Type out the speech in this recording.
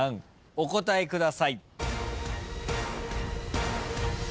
お答えください。